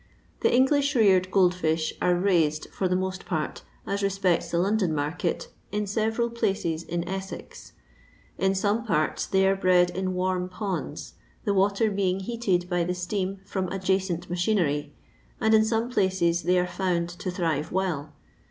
The English reared gold fish are "raised" for the most part, as respects the London market, in several places in ]*^8sex. In some parts they are bred in warm ponds, the water being heated by the steam from adjacent machinery, and in some places they are found to thrive well.